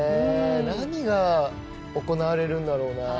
何が行われるんだろうな。